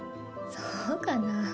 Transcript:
そうかな？